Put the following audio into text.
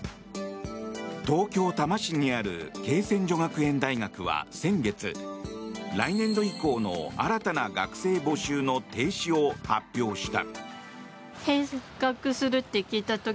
東京・多摩市にある恵泉女学園大学は先月来年度以降の新たな学生募集の停止を発表した。